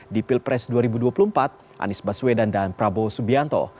di pilpres dua ribu dua puluh empat anies baswedan dan prabowo subianto